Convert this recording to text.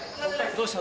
どうした？